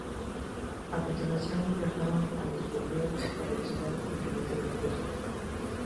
A continuación, viajaron a Burdeos para vigilar el cumplimiento del acuerdo.